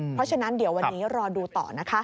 เพราะฉะนั้นเดี๋ยววันนี้รอดูต่อนะคะ